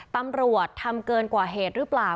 ตำรวจทำเกินกว่าเหตุหรือเปล่า